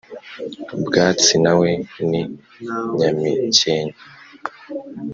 bwatsi na we ni nyamikenke